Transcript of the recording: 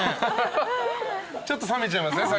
ちょっと冷めちゃいますね